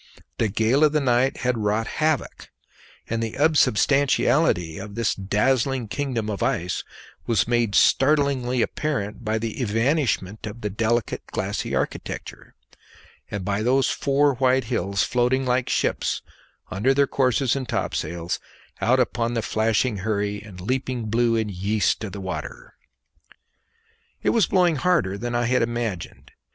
The gale of the night had wrought havoc, and the unsubstantiality of this dazzling kingdom of ice was made startlingly apparent by the evanishment of the delicate glassy architecture, and by those four white hills floating like ships under their courses and topsails out upon the flashing hurry and leaping blue and yeast of the water. It was blowing harder than I had imagined.